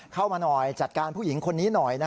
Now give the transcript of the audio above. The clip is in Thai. เข้ามาหน่อยจัดการผู้หญิงคนนี้หน่อย